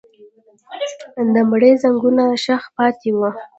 د مړي ځنګنونه شخ پاتې وو.